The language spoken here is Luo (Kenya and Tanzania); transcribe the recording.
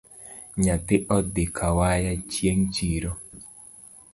Nyathi odhi kawaya chieng’ chiro